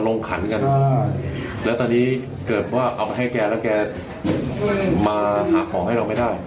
ขันกันแล้วตอนนี้เกิดว่าเอาไปให้แกแล้วแกมาหาของให้เราไม่ได้